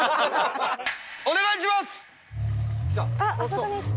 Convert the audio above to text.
お願いします！